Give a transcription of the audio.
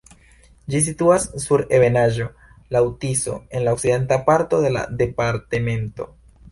Ĝi situas sur ebenaĵo laŭ Tiso en la okcidenta parto de la departemento.